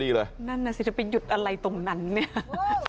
นั้นเผาอย่างน้อยจะไปหยุดอะไรตรงนั้นมาเหรอภาษาแรงสุข